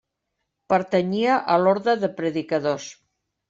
Pertanyia a l'orde de predicadors.